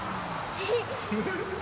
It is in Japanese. フフフ。